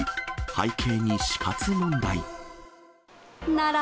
背景に死活問題。